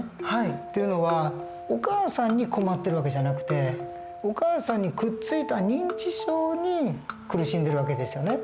っていうのはお母さんに困ってる訳じゃなくてお母さんにくっついた認知症に苦しんでる訳ですよね。